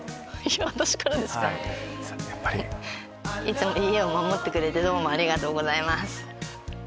私からですか⁉いつも家を守ってくれてどうもありがとうございます。